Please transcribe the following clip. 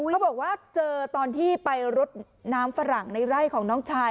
เขาบอกว่าเจอตอนที่ไปรดน้ำฝรั่งในไร่ของน้องชาย